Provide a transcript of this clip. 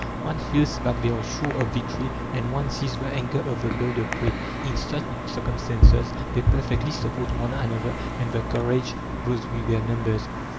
One feels that they are sure of victory, and one sees the anger of the bird of prey. In such circumstances they perfectly support one another, and their courage grows with their numbers."